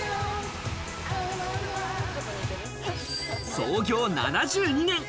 創業７２年。